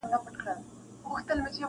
• که مي نصیب سوې د وطن خاوري -